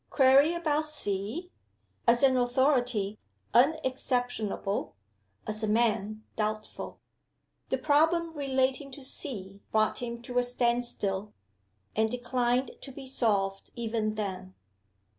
Query about C.? As an authority, unexceptionable; as a man, doubtful. The problem relating to C. brought him to a standstill and declined to be solved, even then.